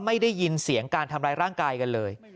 ไม่ได้ยินเสียงการทำร้ายร่างกายกันเลย